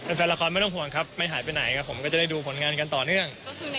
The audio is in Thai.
แฟนละครไม่ต้องห่วงครับไม่หายไปไหนครับผมก็จะได้ดูผลงานกันต่อเนื่อง